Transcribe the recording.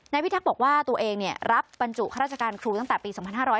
พิทักษ์บอกว่าตัวเองรับบรรจุข้าราชการครูตั้งแต่ปี๒๕๕๙